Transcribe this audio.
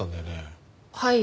はい。